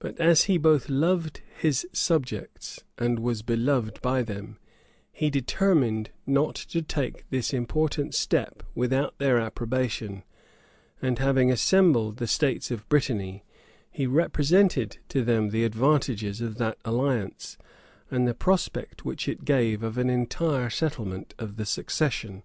But as he both loved his subjects and was beloved by them, he determined not to take this important step without their approbation; and having assembled the states of Brittany, he represented to them the advantages of that alliance, and the prospect which it gave of an entire settlement of the succession.